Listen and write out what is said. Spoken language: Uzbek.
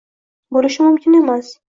Bo'lishi mumkin emas!